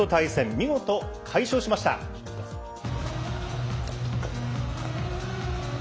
見事、快勝しました。